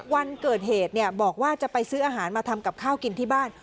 วันเกิดเหตุบอกว่าจะไปซื้ออาหารมาทำกับข้าวกินที่บ้าน